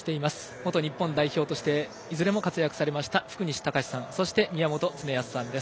元日本代表としていずれも活躍されました福西崇史さんそして宮本恒靖さんです。